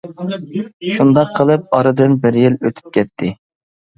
شۇنداق قىلىپ ئارىدىن بىر يىل ئۆتۈپ كەتتى.